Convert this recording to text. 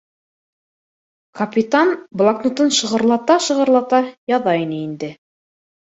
Капитан блокнотын шығырлата-шығырлата яҙа ине инде